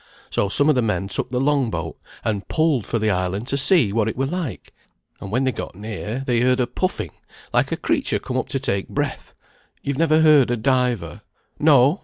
So some of the men took the long boat, and pulled for the island to see what it were like; and when they got near, they heard a puffing, like a creature come up to take breath; you've never heard a diver? No!